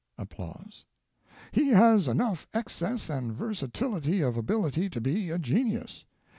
"He has enough excess and versatility of ability to be a genius.